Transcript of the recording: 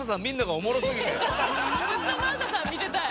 ずっと真麻さん見てたい。